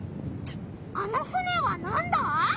あの船はなんだ？